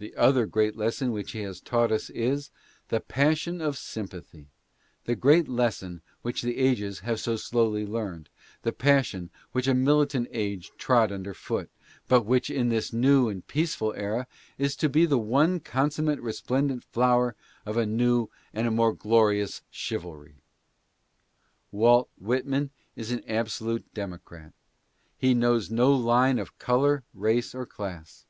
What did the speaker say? The other great lesson which he has taught us is, the passion of sympathy — the great lesson which the ages have so slowly learned — the passion which a militant age trod under foot, but which in this new and peaceful era is to be the one consummate resplendent flower of a new and more glorious chivalry. Walt Whitman is an absolute democrat. He knows no line of color, race or class.